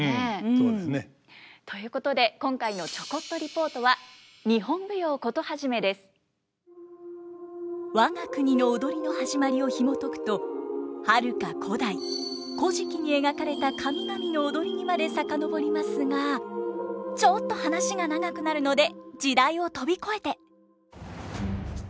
そうですね。ということで今回の我が国の踊りの始まりをひもとくとはるか古代「古事記」に描かれた神々の踊りにまで遡りますがちょっと話が長くなるので時代を飛び越えて。